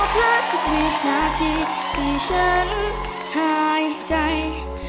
ไม่ขอเพลินสิบวินาทีที่ฉันหายใจ